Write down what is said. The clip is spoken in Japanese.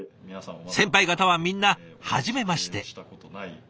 先輩方はみんなはじめまして。